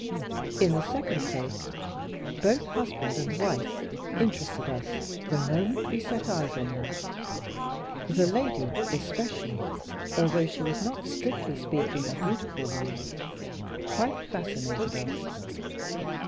In the second place, both husband and wife interested us the moment we set eyes on them. The lady, especially, although she was not, strictly speaking, a beautiful woman, quite fascinated us.